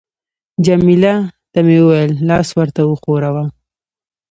جميله ته مې وویل: لاس ورته وښوروه.